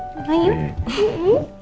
kita main yuk